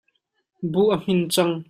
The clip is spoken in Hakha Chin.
Buh a hmin cang.